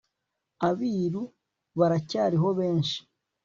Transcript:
abiru baracyariho bemshi